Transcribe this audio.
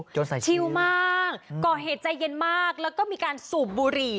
ชิวมากก่อเหตุใจเย็นมากแล้วก็มีการสูบบุหรี่